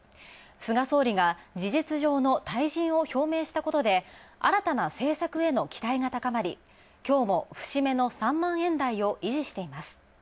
菅総理が事実上の退陣を表明したことで新たな政策への期待が高まり、きょうも節目の３万円台を維持しています。